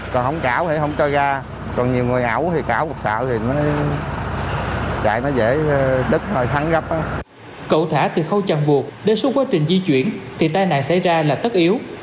cậu thả từ khâu chặn bụt đến suốt quá trình di chuyển thì tai nạn xảy ra là tất yếu